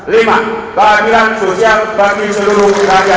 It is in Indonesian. lima keadilan sosial bagi seluruh rakyat